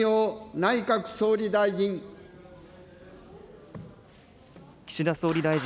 内閣総理大臣。